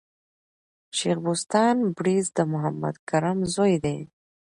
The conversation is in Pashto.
شېخ بُستان بړیځ د محمد کرم زوی دﺉ.